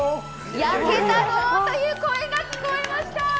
「焼けたどー」という声が聞こえました。